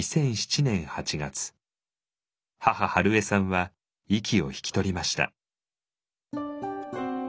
２００７年８月母春恵さんは息を引き取りました。